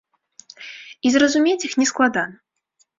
І зразумець іх нескладана.